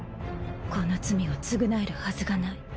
この罪を償えるはずがない。